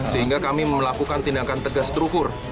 sehingga kami melakukan tindakan tegas terukur